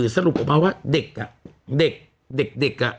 สรุปออกมาว่าเด็ก